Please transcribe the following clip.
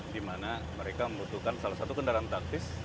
di mana mereka membutuhkan salah satu kendaraan taktis